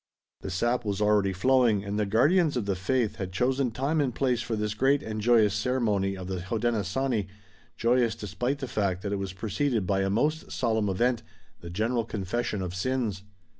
The sap was already flowing and the guardians of the faith had chosen time and place for this great and joyous ceremony of the Hodenosaunee, joyous despite the fact that it was preceded by a most solemn event, the general confession of sins.